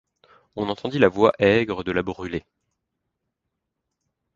On entendit la voix aigre de la Brûlé.